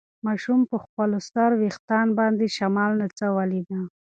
ماشوم په خپلو سره وېښتان باندې د شمال نڅا ولیده.